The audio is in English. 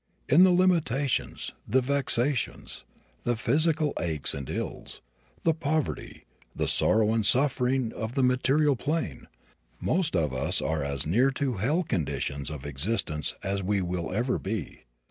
In the limitations, the vexations, the physical aches and ills, the poverty, sorrow and suffering of the material plane, most of us are as near to hell conditions of existence as we ever will be.